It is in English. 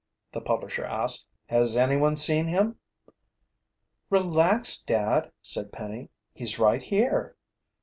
the publisher asked. "Has anyone seen him?" "Relax, Dad," said Penny. "He's right here."